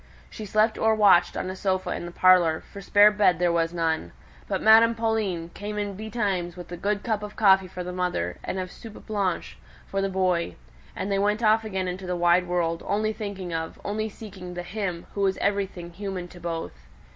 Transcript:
She slept or watched on a sofa in the parlour, for spare bed there was none; but Madame Pauline came in betimes with a good cup of coffee for the mother, and of "soupe blanche" for the boy; and they went off again into the wide world, only thinking of, only seeking the "him," who was everything human to both.